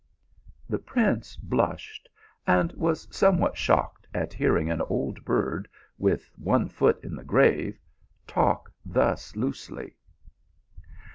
" The prince blushed and was somewhat shocked at hearing an old bird, with one foot in the grave, talk thus loosely.